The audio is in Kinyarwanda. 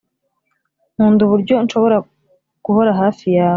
nkunda uburyo nshobora guhora hafi yawe